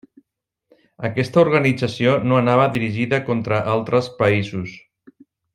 Aquesta organització no anava dirigida contra altres països.